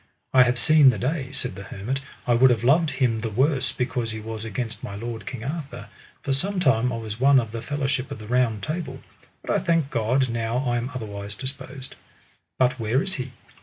I have seen the day, said the hermit, I would have loved him the worse because he was against my lord, King Arthur, for sometime I was one of the fellowship of the Round Table, but I thank God now I am otherwise disposed. But where is he?